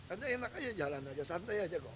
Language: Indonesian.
anda enak aja jalan aja santai aja kok